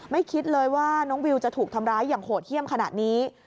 คิดเลยว่าน้องวิวจะถูกทำร้ายอย่างโหดเยี่ยมขนาดนี้